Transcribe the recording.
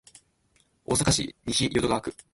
大阪市西淀川区